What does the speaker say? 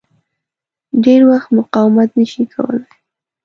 ډېر وخت مقاومت نه شي کولای.